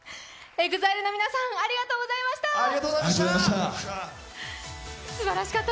ＥＸＩＬＥの皆さんありがとうございました。